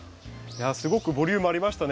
すごくボリュームありましたね